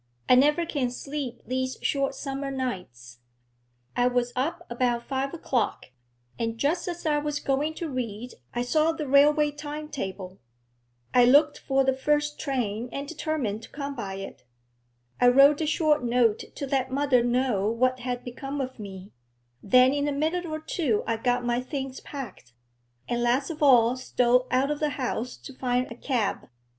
I never can sleep these short summer nights. I was up about five o'clock, and just as I was going to read I saw the railway time table. I looked for the first train and determined to come by it. I wrote a short note to let mother know what had become of me, then in a minute or two I got my things packed, and last of all stole out of the house to find a cab.